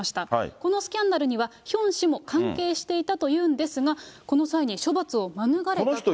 このスキャンダルにはヒョン氏も関係していたというんですが、この際に処罰を免れたということなんです。